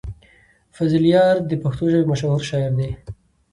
فضلیار د پښتو ژبې مشهور شاعر دی.